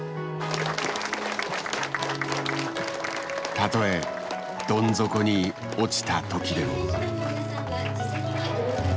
たとえどん底に落ちた時でも。